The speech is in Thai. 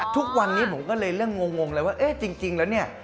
ทุกวันนี้ผมก็เลยเรื่องงงเลยว่าเอ๊ะจริงแล้วเนี่ย